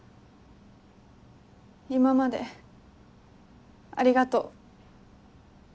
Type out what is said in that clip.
今までありがとう。